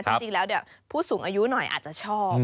จริงแล้วผู้สูงอายุหน่อยอาจจะชอบ